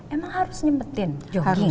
emang harus nyempetin jogging